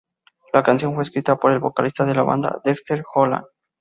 La canción fue escrita por el vocalista de la banda, Dexter Holland.